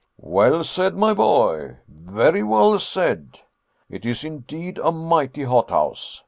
"Well said, my boy very well said; it is indeed a mighty hothouse.